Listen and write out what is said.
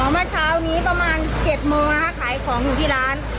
เมื่อเช้านี้ประมาณ๗โมงนะคะขายของอยู่ที่ร้าน